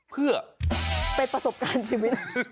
เพื่อเป็นประสบการณ์ชีวิต